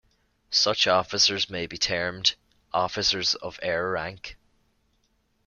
Such officers may be termed "officers of air rank".